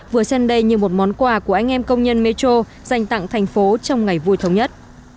vừa xem đây như một món quà của anh em công nhân metro dành tặng thành phố trong ngày vui thống nhất